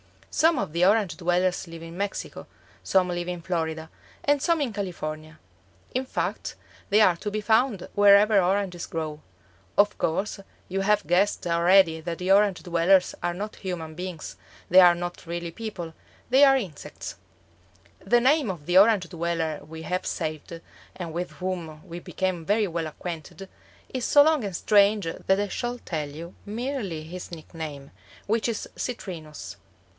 Some of the Orange dwellers live in Mexico; some live in Florida, and some in California; in fact they are to be found wherever oranges grow. Of course, you have guessed already that the Orange dwellers are not human beings; they are not really people; they are insects. The name of the Orange dweller we had saved, and with whom we became very well acquainted, is so long and strange that I shall tell you merely his nickname, which is Citrinus.